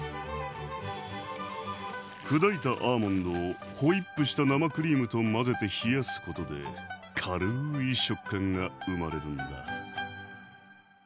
砕いたアーモンドをホイップした生クリームと混ぜて冷やすことで軽い食感が生まれるんだ。